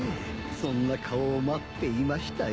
そんな顔を待っていましたよ。